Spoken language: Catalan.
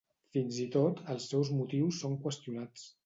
Fins i tot els seus motius són qüestionats.